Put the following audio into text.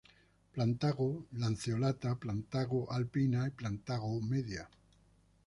Plantago lanceolata, Plantago alpina, Plantago media".